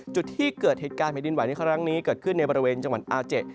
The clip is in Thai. จุดที่เกิดเหตุการณ์แผ่นดินไหวในครั้งนี้เกิดขึ้นในบริเวณจังหวัดอาเจ